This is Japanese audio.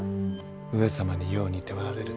上様によう似ておられる。